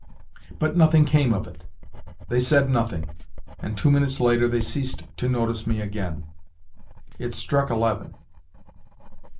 But nothing came of it : they said nothing, and two minutes later they ceased to notice me again. It struck eleven.